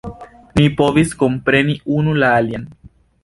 Ni povis kompreni unu la alian.